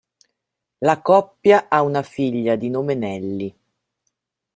La coppia ha una figlia di nome Nellie.